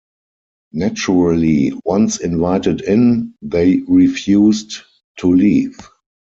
Naturally, once invited in, they refused to leave.